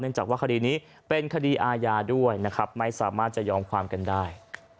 จากว่าคดีนี้เป็นคดีอาญาด้วยนะครับไม่สามารถจะยอมความกันได้